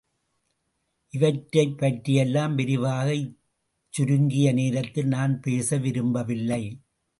இவற்றைப் பற்றியெல்லாம் விரிவாக இச்சுருங்கிய நேரத்தில் நான் பேச விரும்பவில்லை.